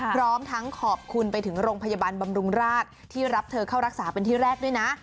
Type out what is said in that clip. พร้อมทั้งขอบคุณไปถึงโรงพยาบาลบำรุงราชที่รับเธอเข้ารักษาเป็นที่แรกด้วยนะ